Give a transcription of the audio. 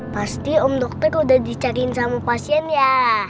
pasti om dokter udah dicariin sama pasien ya